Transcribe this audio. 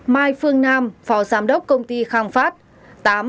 bảy mai phương nam phó giám đốc công ty khang phát